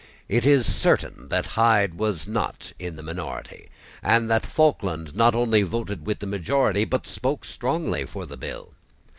It is certain that Hyde was not in the minority, and that Falkland not only voted with the majority, but spoke strongly for the bill.